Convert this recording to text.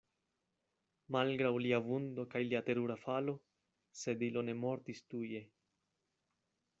Malgraŭ lia vundo kaj lia terura falo, Sedilo ne mortis tuje.